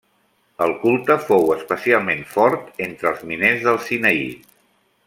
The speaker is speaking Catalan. El culte fou especialment fort entre els miners del Sinaí.